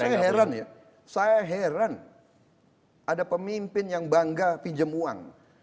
saya heran ya saya heran ada pemimpin yang bangga pinjam uang